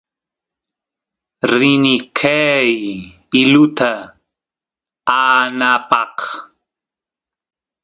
rini qeey iluta aanapaq